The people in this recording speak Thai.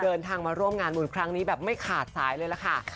เดินทางมาร่วมงานบุญครั้งนี้แบบไม่ขาดสายเลยล่ะค่ะ